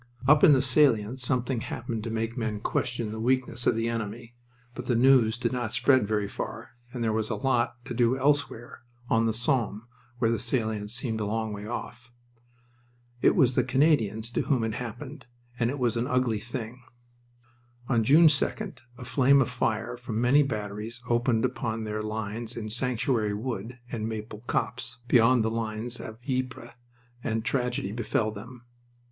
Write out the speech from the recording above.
Up in the salient something happened to make men question the weakness of the enemy, but the news did not spread very far and there was a lot to do elsewhere, on the Somme, where the salient seemed a long way off. It was the Canadians to whom it happened, and it was an ugly thing. On June 2d a flame of fire from many batteries opened upon their lines in Sanctuary Wood and Maple Copse, beyond the lines of Ypres, and tragedy befell them.